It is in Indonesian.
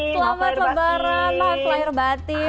selamat kemarin mofaizim mohon maaf lahir batin